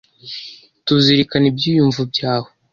Tuzirikana ibyiyumvo byawe.